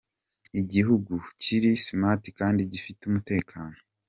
igihugu kiri smart kandi gifite umutekano.